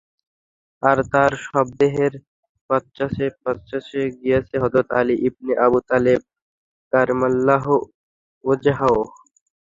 আর তাঁর শবদেহের পশ্চাতে পশ্চাতে গিয়েছেন হযরত আলী ইবনে আবু তালেব কাররামাল্লাহু ওজহাহু।